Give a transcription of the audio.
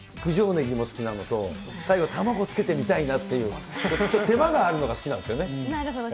ネギも好きなのと、最後卵つけてみたいなっていう、ちょっと手間があるのが好きなんなるほど。